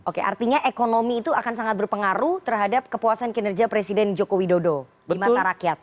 oke artinya ekonomi itu akan sangat berpengaruh terhadap kepuasan kinerja presiden joko widodo di mata rakyat